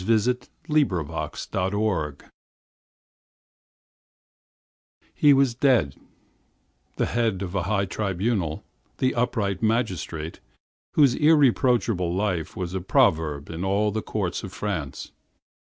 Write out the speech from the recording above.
THE DIARY OF A MADMAN He was dead—the head of a high tribunal, the upright magistrate whose irreproachable life was a proverb in all the courts of France.